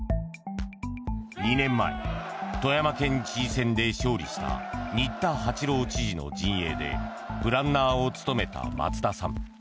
２年前、富山県知事選で勝利した新田八朗知事の陣営でプランナーを務めた松田さん。